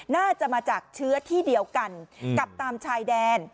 น่าจะมาจากเชื้อที่เดียวกันกับตามชายแดน